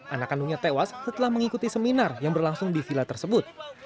anak kandungnya tewas setelah mengikuti seminar yang berlangsung di villa tersebut